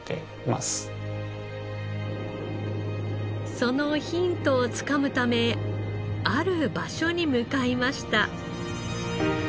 そのヒントをつかむためある場所に向かいました。